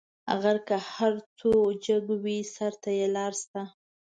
غر که هر څو جګ وي؛ سر ته یې لار سته.